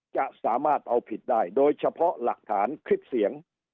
จะสามารถเอาผิดได้โดยเฉพาะหลักฐานคลิปเสียง